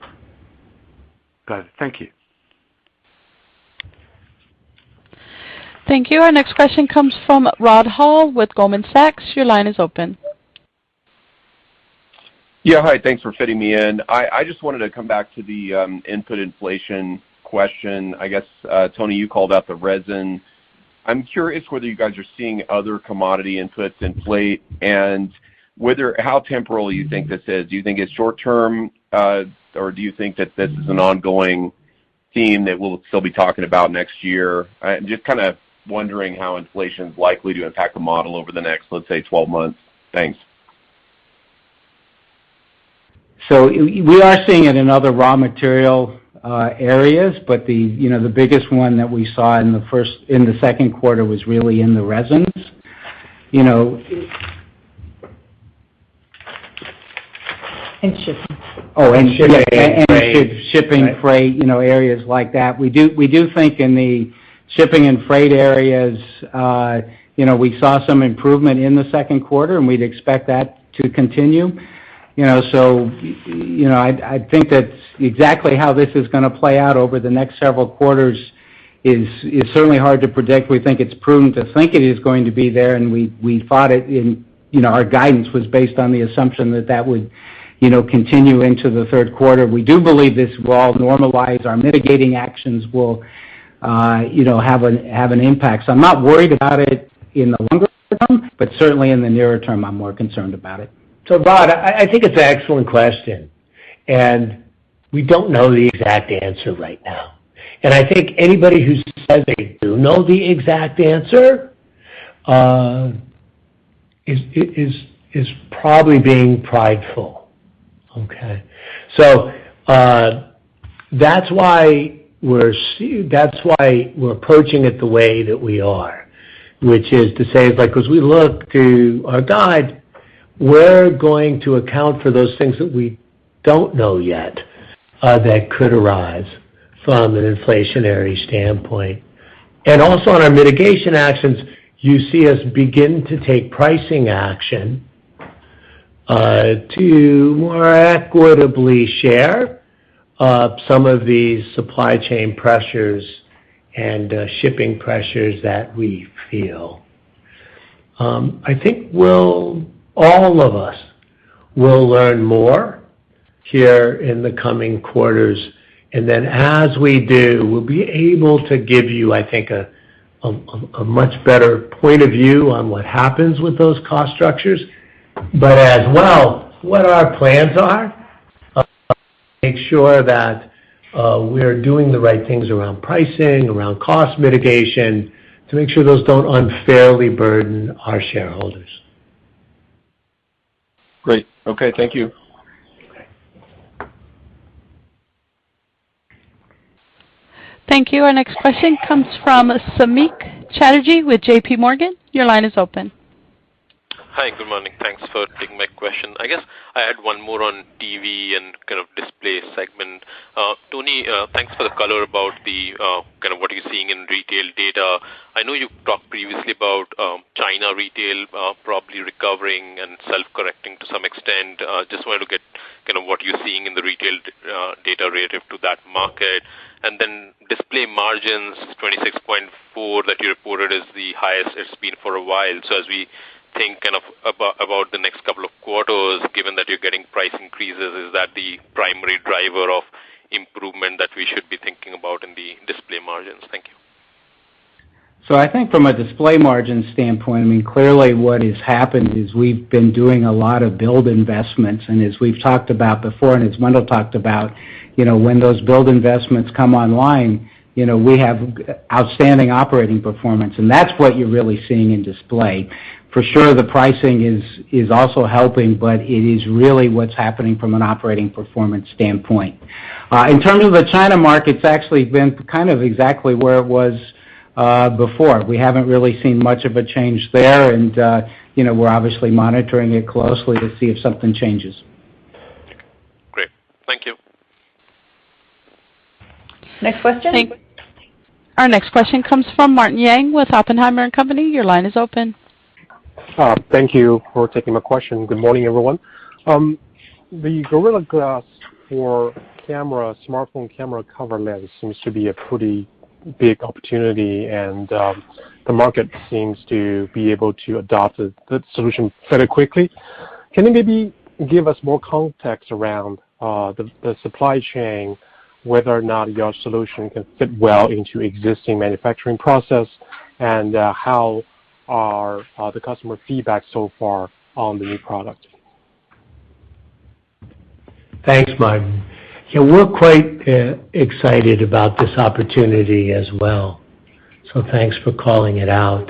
Got it. Thank you. Thank you. Our next question comes from Rod Hall with Goldman Sachs. Your line is open. Yeah, hi. Thanks for fitting me in. I just wanted to come back to the input inflation question. I guess, Tony, you called out the resin. I'm curious whether you guys are seeing other commodity inputs inflate, and how temporal you think this is. Do you think it's short-term, or do you think that this is an ongoing theme that we'll still be talking about next year? Just kind of wondering how inflation's likely to impact the model over the next, let's say, 12 months? Thanks. We are seeing it in other raw material areas, but the biggest one that we saw in the second quarter was really in the resins. Shipping. Oh, and shipping, freight, areas like that. We do think in the shipping and freight areas, we saw some improvement in the second quarter, and we'd expect that to continue. I think exactly how this is going to play out over the next several quarters is certainly hard to predict. We think it's prudent to think it is going to be there, and our guidance was based on the assumption that that would continue into the third quarter. We do believe this will all normalize. Our mitigating actions will have an impact. I'm not worried about it in the longer term, but certainly in the nearer term, I'm more concerned about it. Rod, I think it's an excellent question. We don't know the exact answer right now. I think anybody who says they do know the exact answer is probably being prideful. Okay. That's why we're approaching it the way that we are, which is to say, as we look to our guide, we're going to account for those things that we don't know yet that could arise from an inflationary standpoint. Also on our mitigation actions, you see us begin to take pricing action to more equitably share some of these supply chain pressures and shipping pressures that we feel. I think all of us will learn more here in the coming quarters. Then as we do, we'll be able to give you, I think, a much better point of view on what happens with those cost structures. As well, what our plans are, make sure that we're doing the right things around pricing, around cost mitigation, to make sure those don't unfairly burden our shareholders. Great. Okay. Thank you. Okay. Thank you. Our next question comes from Samik Chatterjee with JPMorgan. Your line is open. Hi. Good morning. Thanks for taking my question. I guess I had one more on TV and kind of display segment. Tony, thanks for the color about what you're seeing in retail data. I know you've talked previously about China retail probably recovering and self-correcting to some extent. Just want to get what you're seeing in the retail data relative to that market. Then display margins, 26.4 that you reported is the highest it's been for a while. As we think about the next couple of quarters, given that you're getting price increases, is that the primary driver of improvement that we should be thinking about in the display margins? Thank you. I think from a display margin standpoint, clearly what has happened is we've been doing a lot of build investments, and as we've talked about before, and as Wendell talked about, when those build investments come online, we have outstanding operating performance, and that's what you're really seeing in display. For sure, the pricing is also helping, but it is really what's happening from an operating performance standpoint. In terms of the China market, it's actually been kind of exactly where it was before. We haven't really seen much of a change there, and we're obviously monitoring it closely to see if something changes. Great. Thank you. Next question. Our next question comes from Martin Yang with Oppenheimer & Co. Your line is open. Thank you for taking my question. Good morning, everyone. The Gorilla Glass for smartphone camera cover lens seems to be a pretty big opportunity, and the market seems to be able to adopt the solution fairly quickly. Can you maybe give us more context around the supply chain, whether or not your solution can fit well into existing manufacturing process? How are the customer feedback so far on the new product? Thanks, Martin. We're quite excited about this opportunity as well, so thanks for calling it out.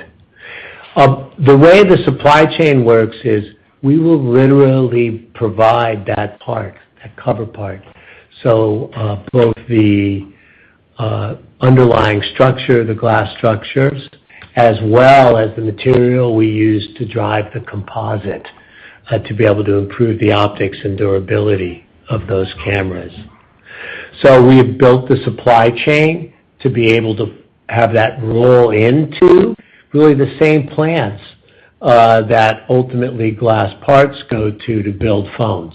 The way the supply chain works is we will literally provide that part, that cover part. Both the underlying structure, the glass structures, as well as the material we use to drive the composite to be able to improve the optics and durability of those cameras. We have built the supply chain to be able to have that roll into really the same plants that ultimately glass parts go to to build phones.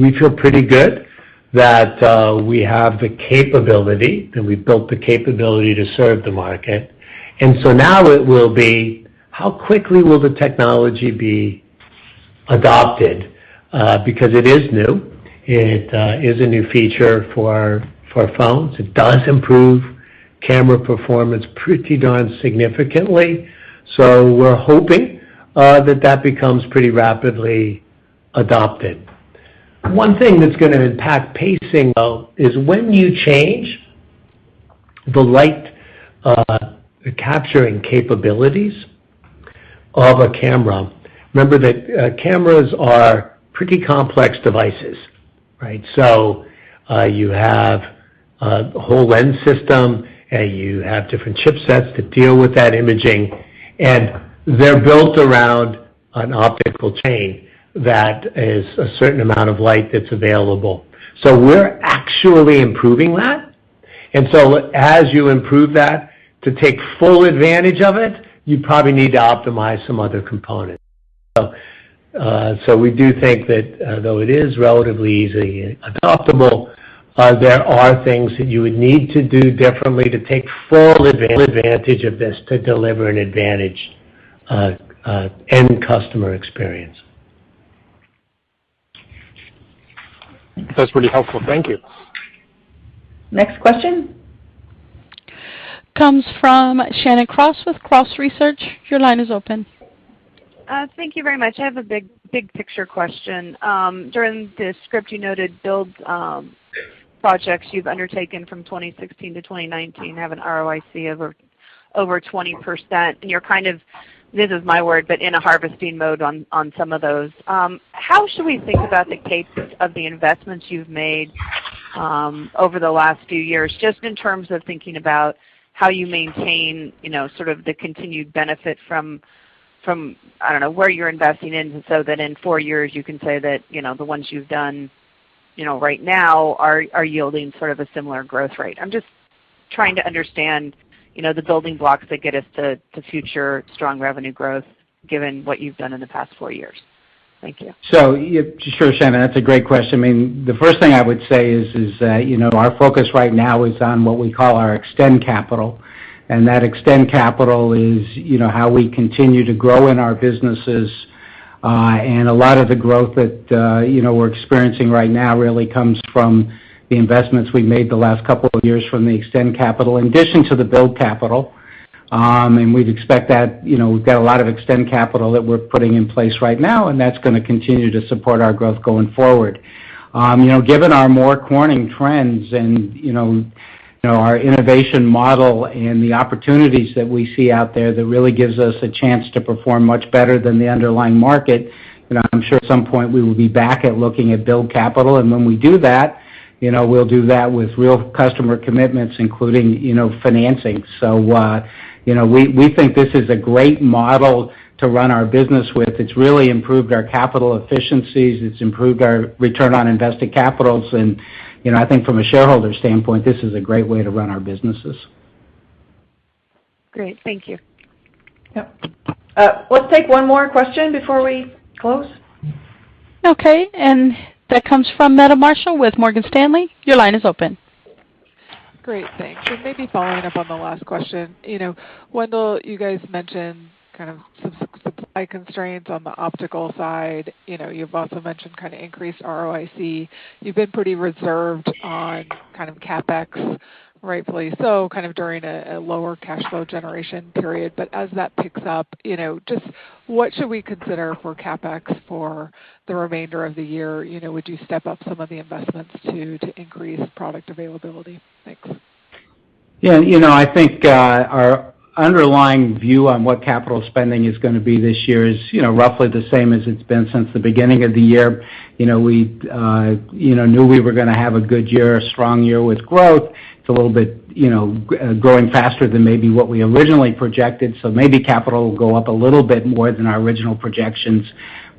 We feel pretty good that we have the capability, that we've built the capability to serve the market. Now it will be how quickly will the technology be adopted? Because it is new. It is a new feature for phones. It does improve camera performance pretty darn significantly. We're hoping that that becomes pretty rapidly adopted. One thing that's going to impact pacing, though, is when you change the light capturing capabilities of a camera, remember that cameras are pretty complex devices, right? You have a whole lens system, you have different chipsets that deal with that imaging, and they're built around an optical chain that is a certain amount of light that's available. We're actually improving that. As you improve that, to take full advantage of it, you probably need to optimize some other components. We do think that though it is relatively easy and adoptable, there are things that you would need to do differently to take full advantage of this to deliver an advantage end customer experience. That's pretty helpful. Thank you. Next question. Comes from Shannon Cross with Cross Research. Your line is open. Thank you very much. I have a big picture question. During the script, you noted build projects you've undertaken from 2016-2019 have an ROIC of over 20%. You're kind of, this is my word, but in a harvesting mode on some of those. How should we think about the pace of the investments you've made over the last few years, just in terms of thinking about how you maintain the continued benefit from, I don't know, where you're investing in, so that in four years you can say that the ones you've done right now are yielding sort of a similar growth rate? I'm just trying to understand the building blocks that get us to future strong revenue growth, given what you've done in the past four years? Thank you. Sure, Shannon, that's a great question. The first thing I would say is that our focus right now is on what we call our extend capital, and that extend capital is how we continue to grow in our businesses. A lot of the growth that we're experiencing right now really comes from the investments we've made the last couple of years from the extend capital in addition to the build capital. We expect that we've got a lot of extend capital that we're putting in place right now, and that's going to continue to support our growth going forward. Given our More Corning trends and our innovation model and the opportunities that we see out there, that really gives us a chance to perform much better than the underlying market, I'm sure at some point we will be back at looking at build capital. When we do that, we'll do that with real customer commitments, including financing. We think this is a great model to run our business with. It's really improved our capital efficiencies, it's improved our return on invested capital, I think from a shareholder standpoint, this is a great way to run our businesses. Great. Thank you. Yep. Let's take one more question before we close. Okay, that comes from Meta Marshall with Morgan Stanley. Your line is open. Great. Thanks. Maybe following up on the last question. Wendell, you guys mentioned kind of some supply constraints on the optical side. You've also mentioned kind of increased ROIC. You've been pretty reserved on kind of CapEx, rightfully so, kind of during a lower cash flow generation period. As that picks up, just what should we consider for CapEx for the remainder of the year? Would you step up some of the investments to increase product availability? Thanks. Yeah, I think our underlying view on what capital spending is going to be this year is roughly the same as it's been since the beginning of the year. We knew we were going to have a good year, a strong year with growth. It's a little bit growing faster than maybe what we originally projected. Maybe capital will go up a little bit more than our original projections.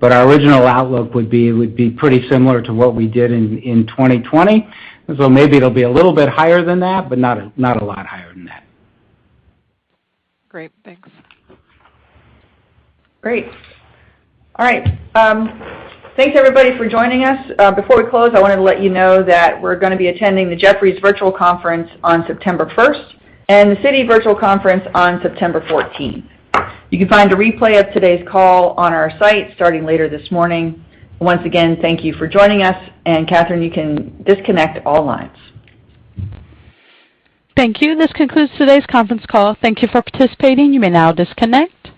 Our original outlook would be pretty similar to what we did in 2020. Maybe it'll be a little bit higher than that, but not a lot higher than that. Great. Thanks. Great. All right. Thanks everybody for joining us. Before we close, I wanted to let you know that we're going to be attending the Jefferies Virtual Conference on September 1st and the Citi Virtual Conference on September 14th. You can find a replay of today's call on our site starting later this morning. Once again, thank you for joining us. Catherine, you can disconnect all lines. Thank you. This concludes today's conference call. Thank you for participating. You may now disconnect.